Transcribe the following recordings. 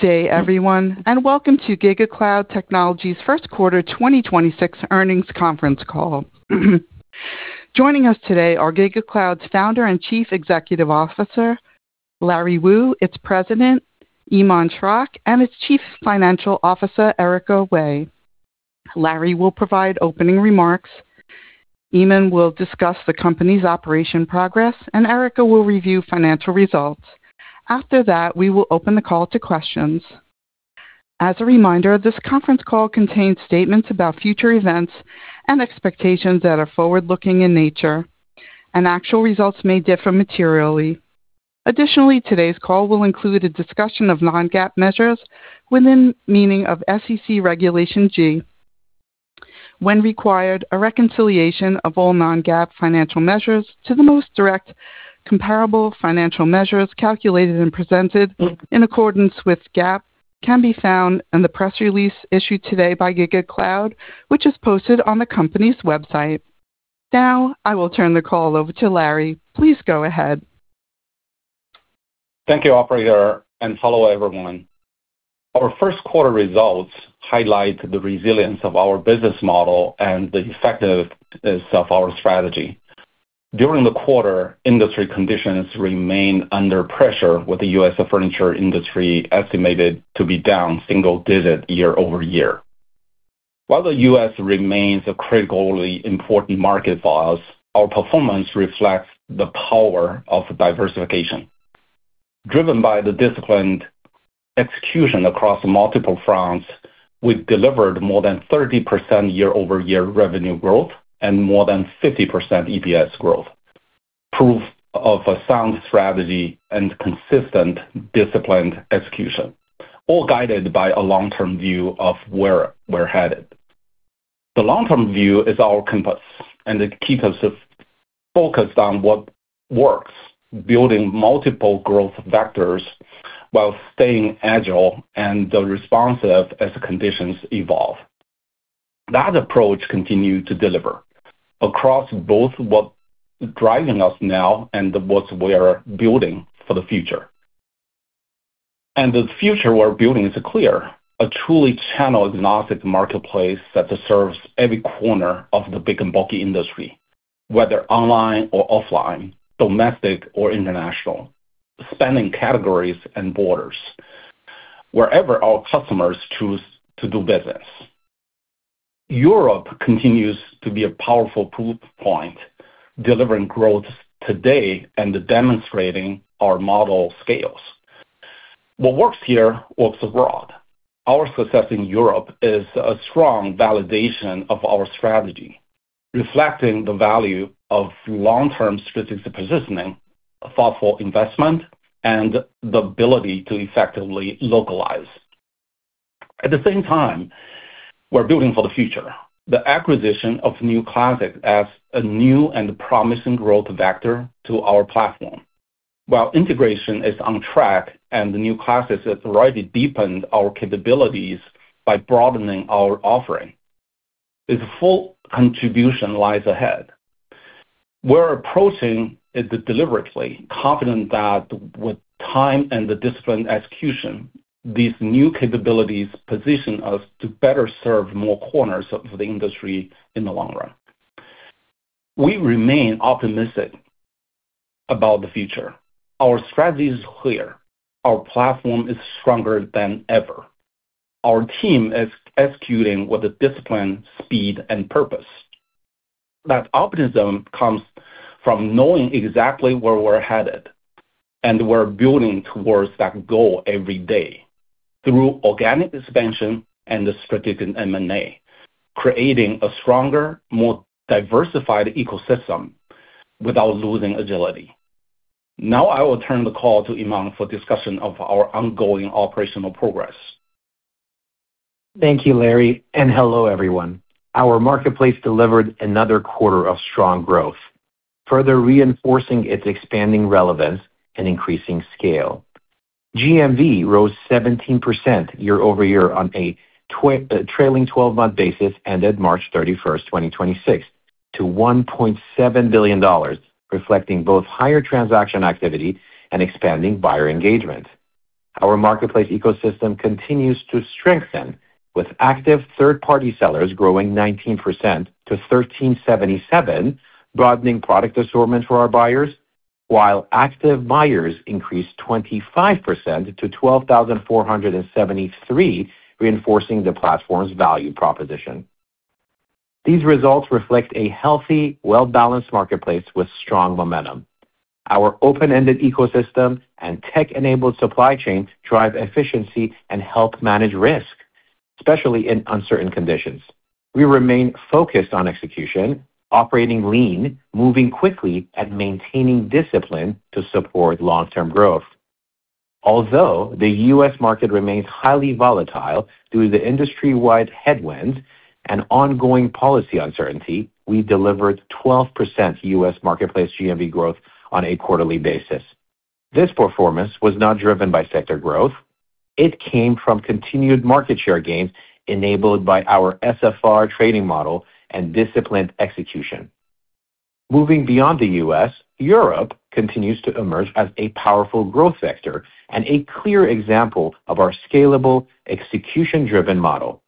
Good day everyone, welcome to GigaCloud Technology's Q1 2026 earnings conference call. Joining us today are GigaCloud's Founder and Chief Executive Officer, Larry Wu, its President, Iman Schrock, and its Chief Financial Officer, Erica Wei. Larry will provide opening remarks, Iman will discuss the company's operation progress, Erica will review financial results. After that, we will open the call to questions. As a reminder, this conference call contains statements about future events and expectations that are forward-looking in nature, actual results may differ materially. Additionally, today's call will include a discussion of non-GAAP measures within meaning of SEC Regulation G. When required, a reconciliation of all non-GAAP financial measures to the most directly comparable financial measures calculated and presented in accordance with GAAP can be found in the press release issued today by GigaCloud, which is posted on the company's website. Now, I will turn the call over to Larry. Please go ahead. Thank you, operator. Hello, everyone. Our first quarter results highlight the resilience of our business model and the effectiveness of our strategy. During the quarter, industry conditions remain under pressure, with the U.S. furniture industry estimated to be down single-digit year-over-year. While the U.S. remains a critically important market for us, our performance reflects the power of diversification. Driven by the disciplined execution across multiple fronts, we've delivered more than 30% year-over-year revenue growth and more than 50% EPS growth, proof of a sound strategy and consistent disciplined execution, all guided by a long-term view of where we're headed. The long-term view is our compass, and it keeps us focused on what works, building multiple growth vectors while staying agile and responsive as conditions evolve. That approach continued to deliver across both what's driving us now and what we are building for the future. The future we're building is clear. A truly channel-agnostic marketplace that serves every corner of the big and bulky industry, whether online or offline, domestic or international, spanning categories and borders, wherever our customers choose to do business. Europe continues to be a powerful proof point, delivering growth today and demonstrating our model scales. What works here, works abroad. Our success in Europe is a strong validation of our strategy, reflecting the value of long-term strategic positioning, thoughtful investment, and the ability to effectively localize. At the same time, we're building for the future. The acquisition of New Classic adds a new and promising growth vector to our platform. While integration is on track and the New Classic has already deepened our capabilities by broadening our offering, its full contribution lies ahead. We're approaching it deliberately, confident that with time and the disciplined execution, these new capabilities position us to better serve more corners of the industry in the long run. We remain optimistic about the future. Our strategy is clear. Our platform is stronger than ever. Our team is executing with discipline, speed, and purpose. That optimism comes from knowing exactly where we're headed, and we're building towards that goal every day through organic expansion and strategic M&A, creating a stronger, more diversified ecosystem without losing agility. Now, I will turn the call to Iman for discussion of our ongoing operational progress. Thank you, Larry, and hello, everyone. Our marketplace delivered another quarter of strong growth, further reinforcing its expanding relevance and increasing scale. GMV rose 17% year-over-year on a trailing twelve-month basis ended March 31st, 2026 to $1.7 billion, reflecting both higher transaction activity and expanding buyer engagement. Our marketplace ecosystem continues to strengthen, with active third-party sellers growing 19% to 1,377, broadening product assortment for our buyers, while active buyers increased 25% to 12,473, reinforcing the platform's value proposition. These results reflect a healthy, well-balanced marketplace with strong momentum. Our open-ended ecosystem and tech-enabled supply chains drive efficiency and help manage risk, especially in uncertain conditions. We remain focused on execution, operating lean, moving quickly, and maintaining discipline to support long-term growth. Although the U.S. market remains highly volatile due to the industry-wide headwind and ongoing policy uncertainty, we delivered 12% U.S. marketplace GMV growth on a quarterly basis. This performance was not driven by sector growth. It came from continued market share gains enabled by our SFR trading model and disciplined execution. Moving beyond the U.S., Europe continues to emerge as a powerful growth sector and a clear example of our scalable execution-driven model.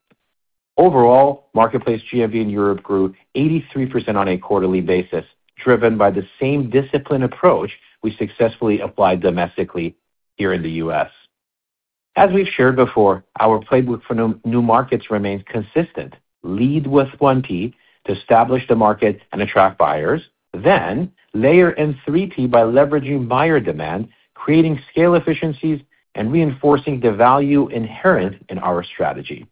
Overall, marketplace GMV in Europe grew 83% on a quarterly basis, driven by the same disciplined approach we successfully applied domestically here in the U.S. As we've shared before, our playbook for new markets remains consistent. Lead with 1P to establish the market and attract buyers. Layer in 3P by leveraging buyer demand, creating scale efficiencies, and reinforcing the value inherent in our strategy.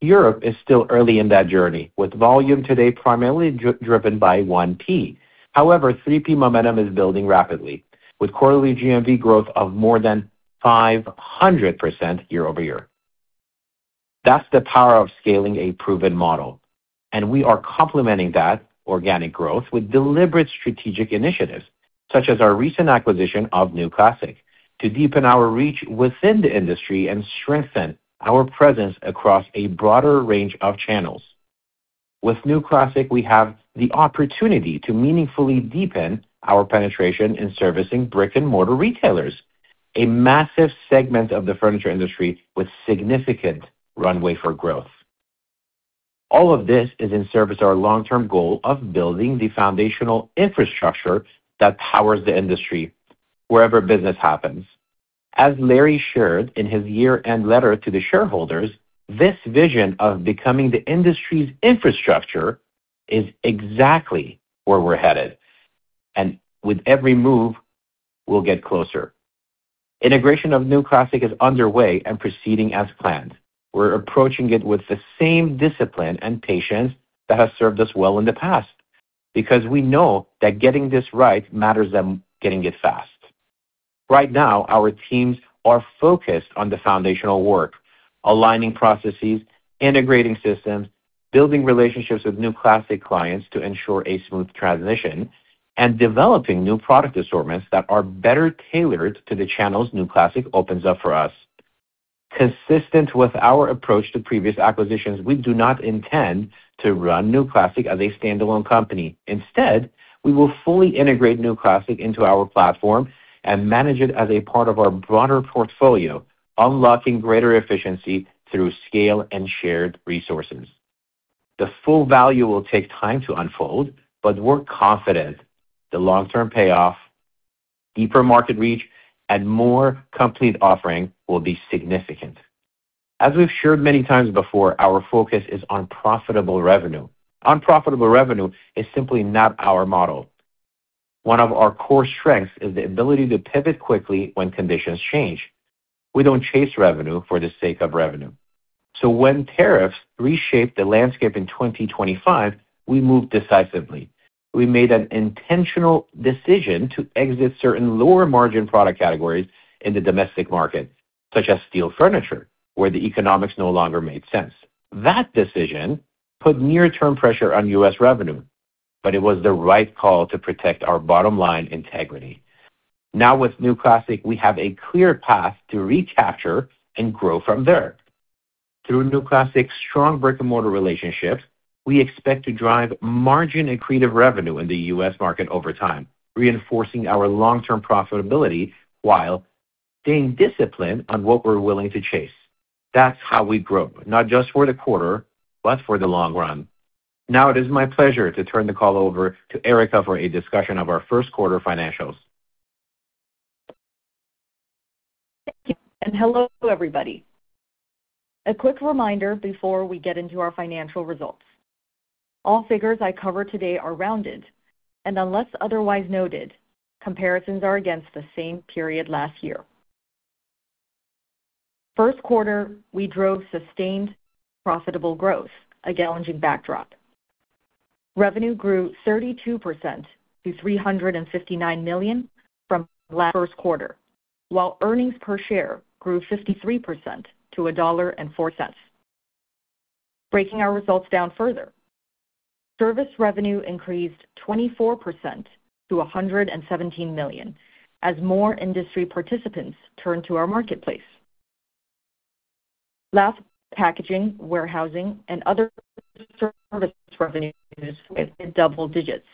Europe is still early in that journey, with volume today primarily driven by 1P. 3P momentum is building rapidly, with quarterly GMV growth of more than 500% year-over-year. That's the power of scaling a proven model, and we are complementing that organic growth with deliberate strategic initiatives, such as our recent acquisition of New Classic, to deepen our reach within the industry and strengthen our presence across a broader range of channels. With New Classic, we have the opportunity to meaningfully deepen our penetration in servicing brick-and-mortar retailers, a massive segment of the furniture industry with significant runway for growth. All of this is in service of our long-term goal of building the foundational infrastructure that powers the industry wherever business happens. As Larry Wu shared in his year-end letter to the shareholders, this vision of becoming the industry's infrastructure is exactly where we're headed, and with every move, we'll get closer. Integration of New Classic is underway and proceeding as planned. We're approaching it with the same discipline and patience that has served us well in the past because we know that getting this right matters more than getting it fast. Right now, our teams are focused on the foundational work, aligning processes, integrating systems, building relationships with New Classic clients to ensure a smooth transition, and developing new product assortments that are better tailored to the channels New Classic opens up for us. Consistent with our approach to previous acquisitions, we do not intend to run New Classic as a standalone company. Instead, we will fully integrate New Classic into our platform and manage it as a part of our broader portfolio, unlocking greater efficiency through scale and shared resources. The full value will take time to unfold, but we're confident the long-term payoff, deeper market reach, and more complete offering will be significant. As we've shared many times before, our focus is on profitable revenue. Unprofitable revenue is simply not our model. One of our core strengths is the ability to pivot quickly when conditions change. We don't chase revenue for the sake of revenue. When tariffs reshaped the landscape in 2025, we moved decisively. We made an intentional decision to exit certain lower-margin product categories in the domestic market, such as steel furniture, where the economics no longer made sense. That decision put near-term pressure on U.S. revenue. It was the right call to protect our bottom-line integrity. Now with New Classic, we have a clear path to recapture and grow from there. Through New Classic's strong brick-and-mortar relationships, we expect to drive margin-accretive revenue in the U.S. market over time, reinforcing our long-term profitability while staying disciplined on what we're willing to chase. That's how we grow, not just for the quarter, but for the long run. Now it is my pleasure to turn the call over to Erica for a discussion of our first quarter financials. Thank you, and hello, everybody. A quick reminder before we get into our financial results. All figures I cover today are rounded, and unless otherwise noted, comparisons are against the same period last year. First quarter, we drove sustained profitable growth, a challenging backdrop. Revenue grew 32% to $359 million from last first quarter, while earnings per share grew 53% to $1.04. Breaking our results down further. Service revenue increased 24% to $117 million as more industry participants turned to our Marketplace. Large packaging, warehousing, and other services revenue is in double digits,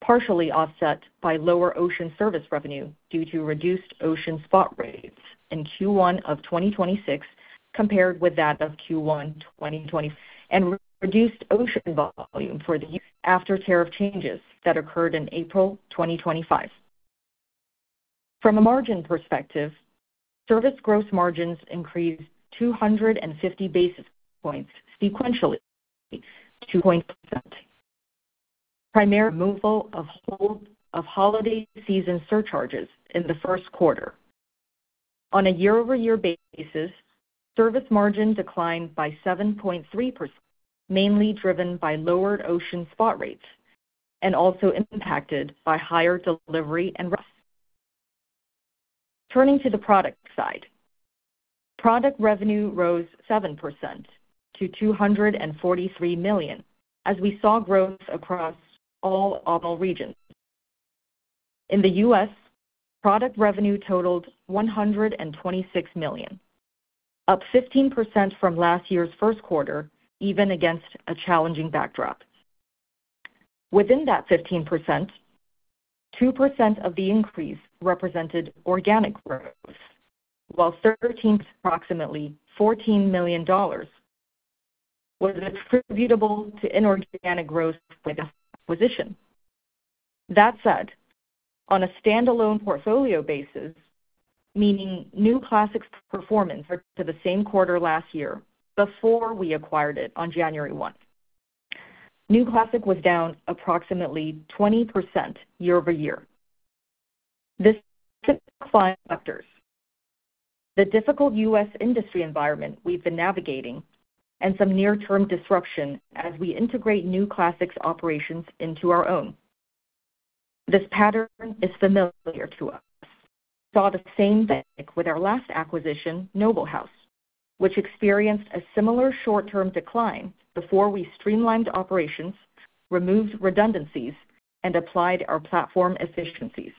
partially offset by lower ocean service revenue due to reduced ocean spot rates in Q1 of 2026 compared with that of Q1 twenty twenty-- and reduced ocean volume for the after tariff changes that occurred in April 2025. From a margin perspective, service gross margins increased 250 basis points sequentially. Primary removal of holiday season surcharges in Q1. On a year-over-year basis, service margin declined by 7.3%, mainly driven by lowered ocean spot rates and also impacted by higher delivery and risk. Turning to the product side. Product revenue rose 7% to $243 million as we saw growth across all, of all regions. In the U.S., product revenue totaled $126 million, up 15% from last year's Q1, even against a challenging backdrop. Within that 15%, 2% of the increase represented organic growth, while approximately $14 million was attributable to inorganic growth by acquisition. On a standalone portfolio basis, meaning New Classic's performance to the same quarter last year before we acquired it on January 1, New Classic was down approximately 20% year-over-year. This factors the difficult U.S. industry environment we've been navigating, and some near-term disruption as we integrate New Classic's operations into our own. This pattern is familiar to us. We saw the same thing with our last acquisition, Noble House, which experienced a similar short-term decline before we streamlined operations, removed redundancies, and applied our platform efficiencies.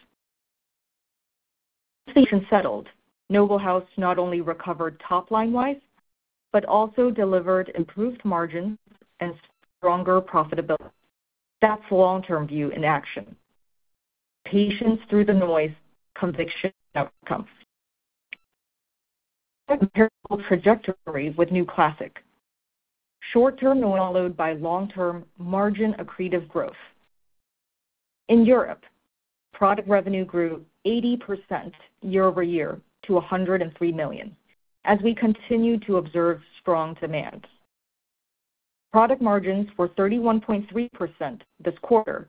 Once the commotion settled, Noble House not only recovered top-line-wise but also delivered improved margins and stronger profitability. That's long-term view in action. Patience through the noise, conviction outcomes. Trajectory with New Classic. Short-term followed by long-term margin accretive growth. In Europe, product revenue grew 80% year-over-year to $103 million as we continue to observe strong demand. Product margins were 31.3% this quarter,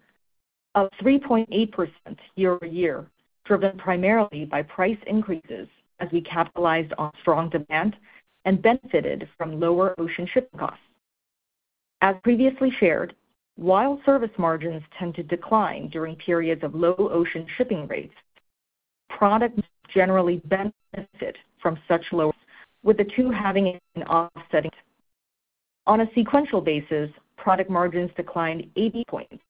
up 3.8% year-over-year, driven primarily by price increases as we capitalized on strong demand and benefited from lower ocean shipping costs. As previously shared, while service margins tend to decline during periods of low ocean shipping rates, product generally benefit from such lows, with the two having an offsetting. On a sequential basis, product margins declined 80 points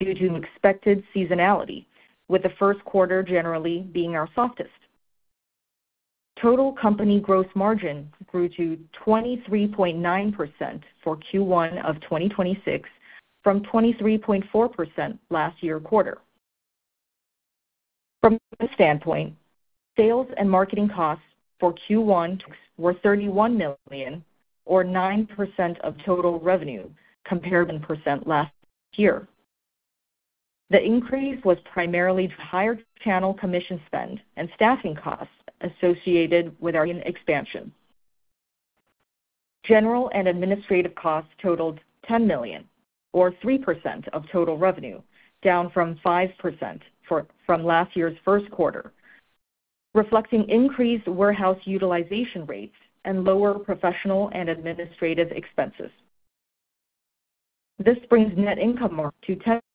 due to expected seasonality, with the first quarter generally being our softest. Total company gross margin grew to 23.9% for Q1 of 2026 from 23.4% last year quarter. From a standpoint, sales and marketing costs for Q1 were $31 million or 9% of total revenue compared to percent last year. The increase was primarily higher channel commission spend and staffing costs associated with our expansion. General and administrative costs totaled $10 million or 3% of total revenue, down from 5% from last year's first quarter, reflecting increased warehouse utilization rates and lower professional and administrative expenses.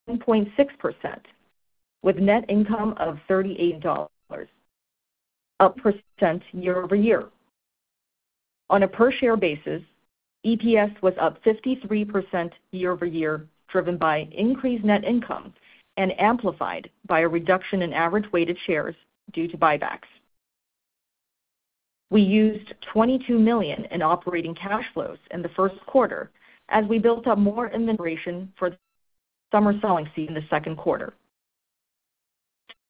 This brings net income mark to 10.6%, with net income of $38, up percent year-over-year. On a per share basis, EPS was up 53% year-over-year, driven by increased net income and amplified by a reduction in average weighted shares due to buybacks. We used $22 million in operating cash flows in the first quarter as we built up more integration for the summer selling season the second quarter.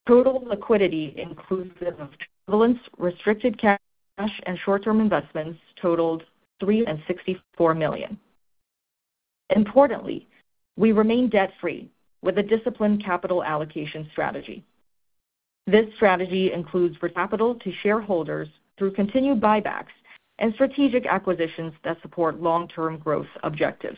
Total liquidity inclusive of restricted cash and short-term investments totaled $364 million. Importantly, we remain debt-free with a disciplined capital allocation strategy. This strategy includes capital to shareholders through continued buybacks and strategic acquisitions that support long-term growth objectives.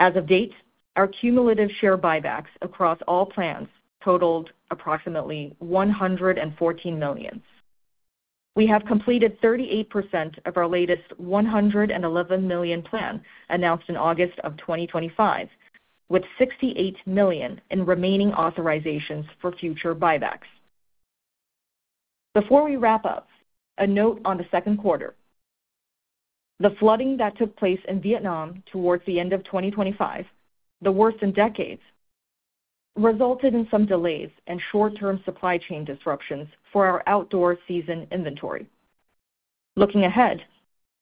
As of date, our cumulative share buybacks across all plans totaled approximately $114 million. We have completed 38% of our latest $111 million plan announced in August of 2025, with $68 million in remaining authorizations for future buybacks. Before we wrap up, a note on the second quarter. The flooding that took place in Vietnam towards the end of 2025, the worst in decades, resulted in some delays and short-term supply chain disruptions for our outdoor season inventory. Looking ahead,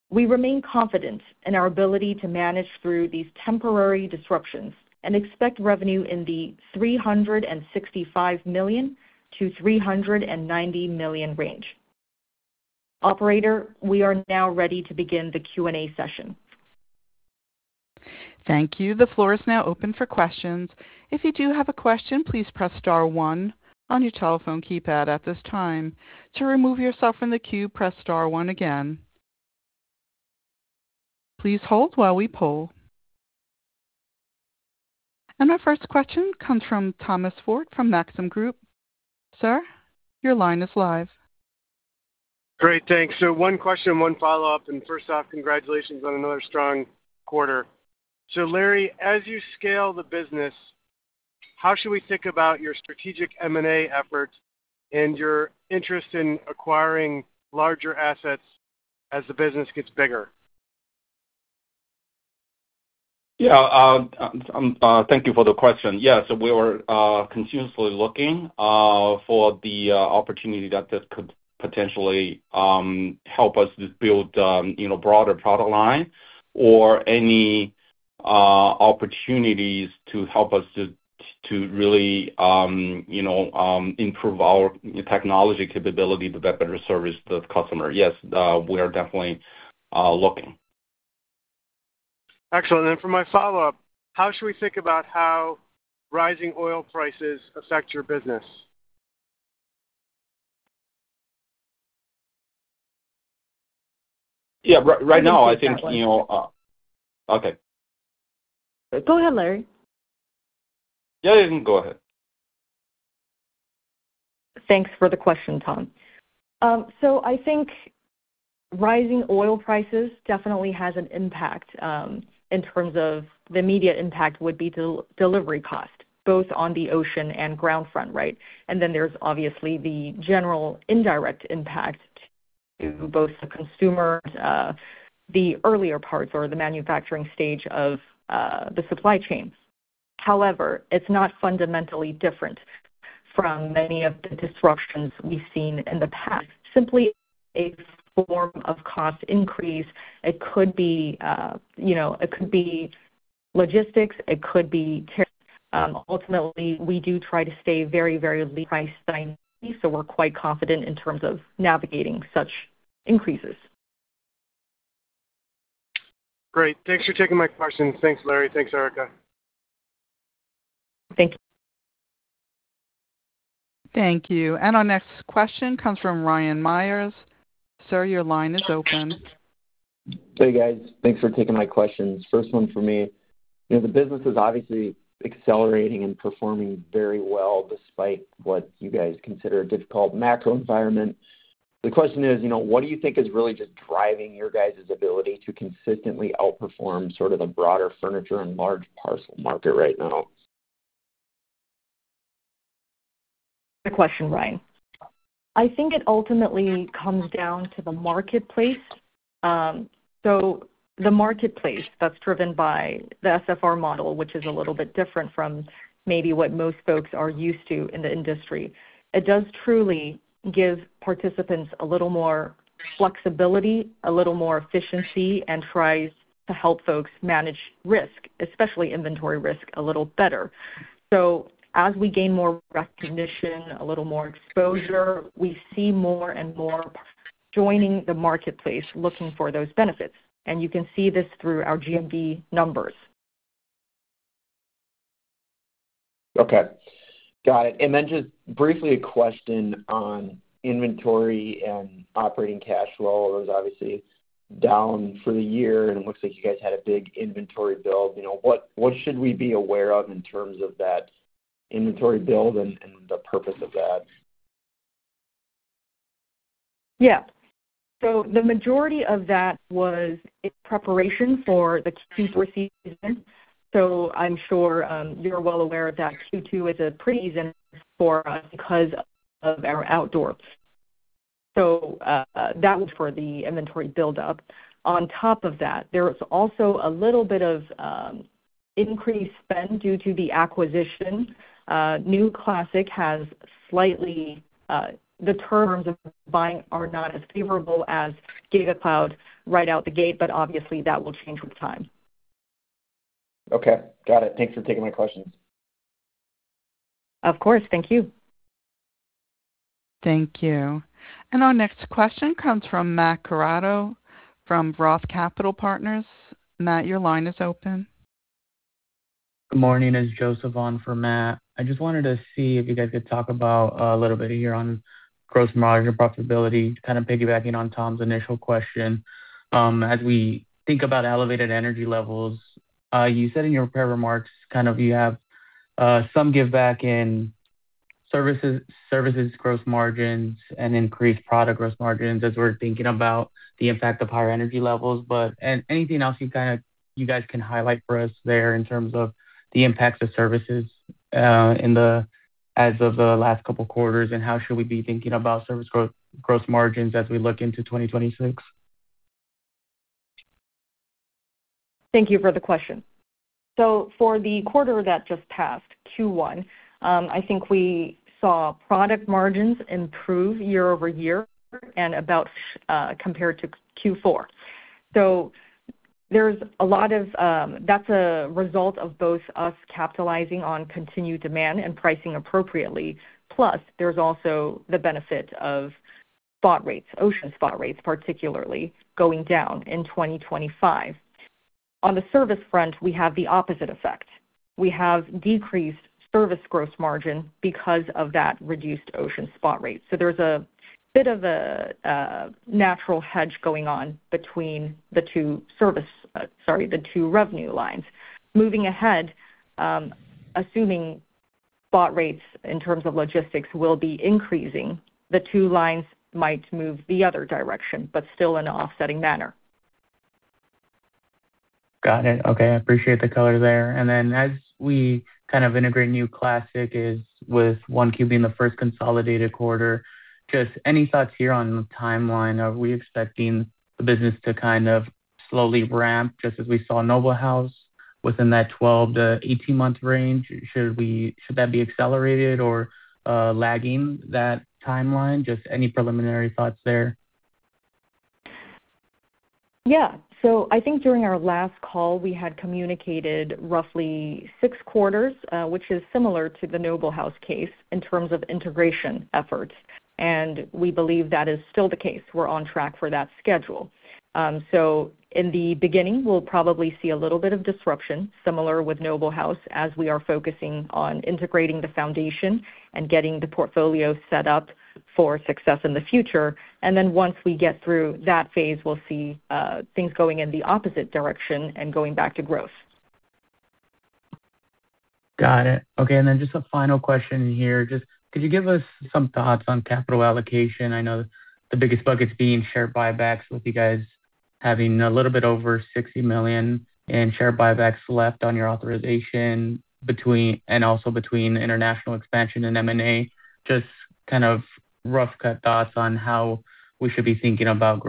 we remain confident in our ability to manage through these temporary disruptions and expect revenue in the $365 million-$390 million range. Operator, we are now ready to begin the Q&A session. Thank you. The floor is now open for questions. If you do have a question, please press star one on your telephone keypad at this time. To remove yourself from the queue, press star one again. Please hold while we poll. Our first question comes from Thomas Forte from Maxim Group. Sir, your line is live. Great. Thanks. One question, one follow-up. First off, congratulations on another strong quarter. Larry, as you scale the business, how should we think about your strategic M&A efforts and your interest in acquiring larger assets as the business gets bigger? Yeah, thank you for the question. We were continuously looking for the opportunity that this could potentially help us just build, you know, broader product line or any opportunities to help us to really, you know, improve our technology capability to better service the customer. We are definitely looking. Excellent. For my follow-up, how should we think about how rising oil prices affect your business? Yeah. Right now I think, you know, Okay. Go ahead, Larry. Yeah, you can go ahead. Thanks for the question, Thomas. I think rising oil prices definitely has an impact in terms of the immediate impact would be the delivery cost, both on the ocean and ground front, right? There's obviously the general indirect impact to both the consumer, the earlier parts or the manufacturing stage of the supply chain. However, it's not fundamentally different from many of the disruptions we've seen in the past. Simply a form of cost increase. It could be, you know, it could be logistics. Ultimately, we do try to stay very, very priced so we're quite confident in terms of navigating such increases. Great. Thanks for taking my questions. Thanks, Larry. Thanks, Erica. Thank you. Thank you. Our next question comes from Ryan Meyers. Sir, your line is open. Hey, guys. Thanks for taking my questions. First one for me, you know, the business is obviously accelerating and performing very well despite what you guys consider a difficult macro environment. The question is, you know, what do you think is really just driving your guys' ability to consistently outperform sort of the broader furniture and large parcel market right now? Good question, Ryan. I think it ultimately comes down to the marketplace. The marketplace that's driven by the SFR model, which is a little bit different from maybe what most folks are used to in the industry. It does truly give participants a little more flexibility, a little more efficiency, and tries to help folks manage risk, especially inventory risk, a little better. As we gain more recognition, a little more exposure, we see more and more joining the marketplace looking for those benefits. You can see this through our GMV numbers. Okay. Got it. Then just briefly a question on inventory and operating cash flow. It was obviously down for the year, it looks like you guys had a big inventory build. You know, what should we be aware of in terms of that inventory build and the purpose of that? Yeah. The majority of that was in preparation for the Q4 season. I'm sure you're well aware that Q2 is a pretty even for us because of our outdoors. That was for the inventory buildup. On top of that, there was also a little bit of increased spend due to the acquisition. New Classic has slightly, the terms of buying are not as favorable as GigaCloud right out the gate, but obviously that will change with time. Okay. Got it. Thanks for taking my questions. Of course. Thank you. Thank you. Our next question comes from Matt Koranda from Roth Capital Partners. Matt, your line is open. Good morning. It's Joseph on for Matt. I just wanted to see if you guys could talk about a little bit here on gross margin profitability, kind of piggybacking on Tom's initial question. As we think about elevated energy levels, you said in your prepared remarks kind of you have, some giveback in services growth margins and increased product growth margins as we're thinking about the impact of higher energy levels. Anything else you guys can highlight for us there in terms of the impacts of services, as of the last couple of quarters, how should we be thinking about service growth margins as we look into 2026? Thank you for the question. For the quarter that just passed, Q1, I think we saw product margins improve year-over-year and about, compared to Q4. That's a result of both us capitalizing on continued demand and pricing appropriately. Plus, there's also the benefit of spot rates, ocean spot rates, particularly going down in 2025. On the service front, we have the opposite effect. We have decreased service gross margin because of that reduced ocean spot rate. There's a bit of a natural hedge going on between the two service, sorry, the two revenue lines. Moving ahead, assuming spot rates in terms of logistics will be increasing, the two lines might move the other direction, but still in an offsetting manner. Got it. Okay. I appreciate the color there. Then as we kind of integrate New Classic is, with 1 Q being the first consolidated quarter, just any thoughts here on the timeline? Are we expecting the business to Slowly ramp, just as we saw Noble House within that 12 to 18-month range. Should that be accelerated or lagging that timeline? Just any preliminary thoughts there. Yeah. I think during our last call, we had communicated roughly six quarters, which is similar to the Noble House case in terms of integration efforts, and we believe that is still the case. We're on track for that schedule. In the beginning, we'll probably see a little bit of disruption, similar with Noble House, as we are focusing on integrating the foundation and getting the portfolio set up for success in the future. Once we get through that phase, we'll see things going in the opposite direction and going back to growth. Got it. Okay, then just a final question here. Just could you give us some thoughts on capital allocation? I know the biggest bucket's being share buybacks with you guys having a little bit over $60 million in share buybacks left on your authorization between and also between international expansion and M&A. Just kind of rough cut thoughts on how we should be thinking about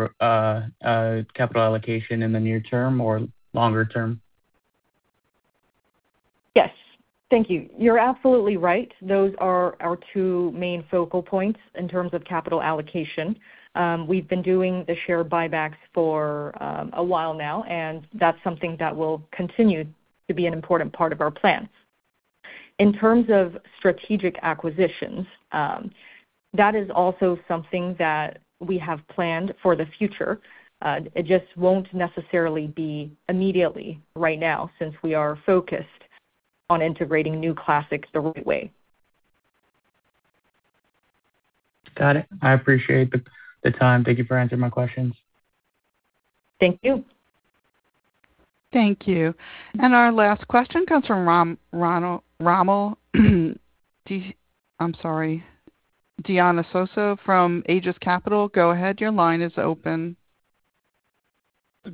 capital allocation in the near term or longer term. Yes. Thank you. You're absolutely right. Those are our two main focal points in terms of capital allocation. We've been doing the share buybacks for a while now. That's something that will continue to be an important part of our plan. In terms of strategic acquisitions, that is also something that we have planned for the future. It just won't necessarily be immediately right now since we are focused on integrating New Classic the right way. Got it. I appreciate the time. Thank you for answering my questions. Thank you. Thank you. Our last question comes from I'm sorry, Dionisio from Aegis Capital. Go ahead, your line is open.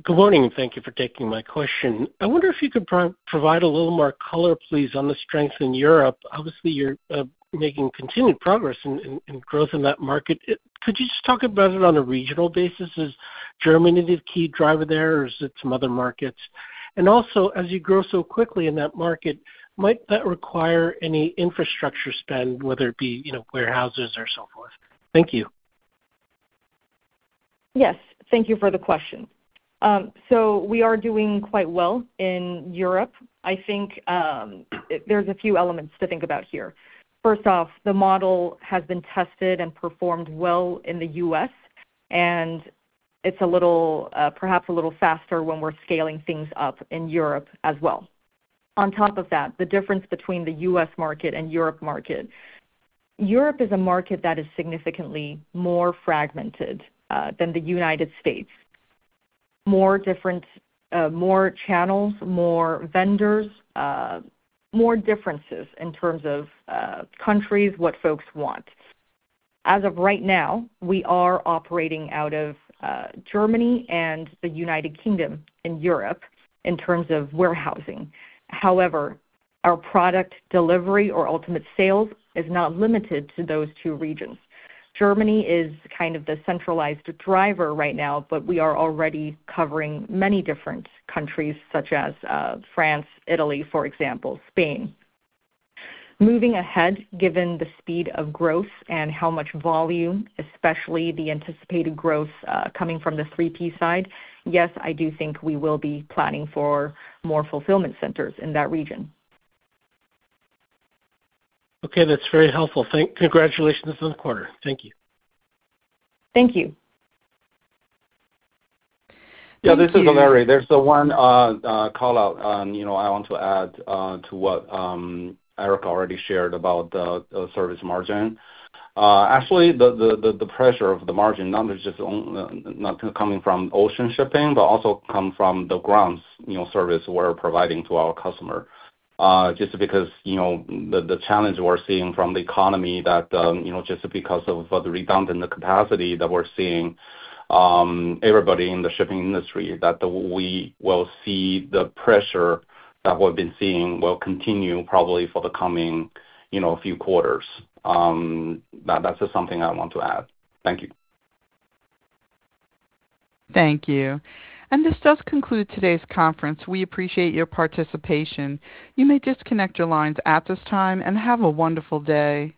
Good morning. Thank you for taking my question. I wonder if you could provide a little more color, please, on the strength in Europe. Obviously, you're making continued progress in growth in that market. Could you just talk about it on a regional basis? Is Germany the key driver there, or is it some other markets? Also, as you grow so quickly in that market, might that require any infrastructure spend, whether it be, you know, warehouses or so forth? Thank you. Yes. Thank you for the question. We are doing quite well in Europe. I think, there's a few elements to think about here. First off, the model has been tested and performed well in the U.S., and it's a little, perhaps a little faster when we're scaling things up in Europe as well. On top of that, the difference between the U.S. market and Europe market. Europe is a market that is significantly more fragmented than the United States. More different, more channels, more vendors, more differences in terms of countries, what folks want. As of right now, we are operating out of Germany and the United Kingdom in Europe in terms of warehousing. However, our product delivery or ultimate sales is not limited to those two regions. Germany is kind of the centralized driver right now, but we are already covering many different countries such as France, Italy, for example, Spain. Moving ahead, given the speed of growth and how much volume, especially the anticipated growth coming from the 3P side, yes, I do think we will be planning for more fulfillment centers in that region. Okay. That's very helpful. Congratulations on the quarter. Thank you. Thank you. Thank you. Yeah, this is Larry. There's one call-out, you know, I want to add to what Erica already shared about the service margin. Actually, the pressure of the margin numbers is on, not coming from ocean shipping, but also come from the grounds, you know, service we're providing to our customer. Just because, you know, the challenge we're seeing from the economy that, you know, just because of the redundant capacity that we're seeing, everybody in the shipping industry, that we will see the pressure that we've been seeing will continue probably for the coming, you know, few quarters. That's just something I want to add. Thank you. Thank you. This does conclude today's conference. We appreciate your participation. You may disconnect your lines at this time, and have a wonderful day.